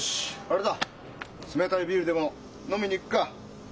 あれだ冷たいビールでも飲みに行くか。